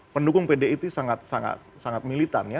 pendukung pdip sangat militan ya